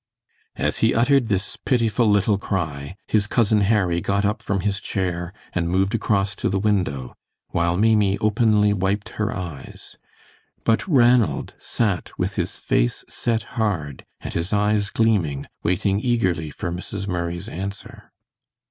As he uttered this pitiful little cry, his cousin Harry got up from his chair, and moved across to the window, while Maimie openly wiped her eyes, but Ranald sat with his face set hard, and his eyes gleaming, waiting eagerly for Mrs. Murray's answer.